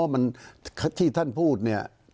มันที่ท่านพูดเนี่ย